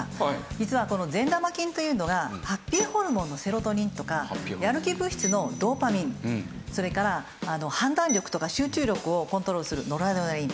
実はこの善玉菌というのがハッピーホルモンのセロトニンとかやる気物質のドーパミンそれから判断力とか集中力をコントロールするノルアドレナリン。